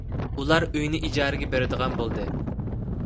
ئۇلار ئۆيىنى ئىجارىگە بېرىدىغان بولدى.